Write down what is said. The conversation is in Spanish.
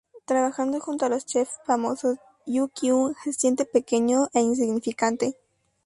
Trabajando junto a dos chefs famosos, Yoo Kyung se siente pequeño e insignificante.